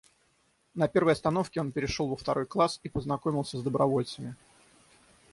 На первой остановке он перешел во второй класс и познакомился с добровольцами.